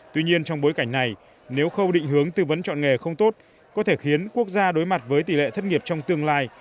tuy nhiên trong bối cảnh này nếu khâu định hướng tư vấn chọn nghề không tốt có thể khiến quốc gia đối mặt với tỷ lệ thất nghiệp trong tương lai